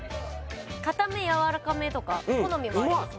かためやわらかめとか好みもありますもんね